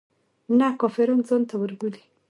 نه کافران ځانته وربولي.